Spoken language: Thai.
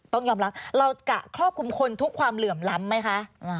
ต้องยอมรับเราจะครอบคลุมคนทุกความเหลื่อมล้ำไหมคะ